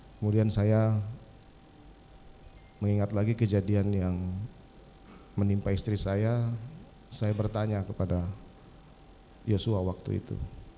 kemudian saya mengingat lagi kejadian yang menimpa istri saya saya bertanya kepada yosua waktu itu